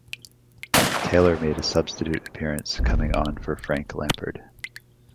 Taylor made a substitute appearance coming on for Frank Lampard.